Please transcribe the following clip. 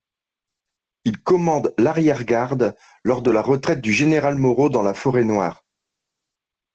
Il commande l'arrière-garde lors de la retraite du général Moreau dans la Forêt-Noire.